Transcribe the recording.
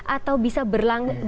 atau bisa berlangsung